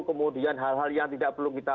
kemudian hal hal yang tidak perlu kita